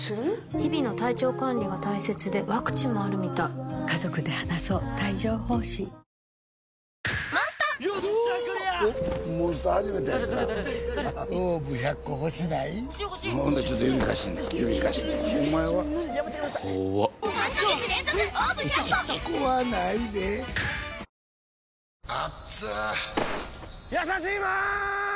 日々の体調管理が大切でワクチンもあるみたいやさしいマーン！！